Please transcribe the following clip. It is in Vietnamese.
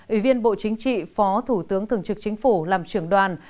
ủy viên bộ chính trị phó thủ tướng thường trực chính phủ làm trưởng đoàn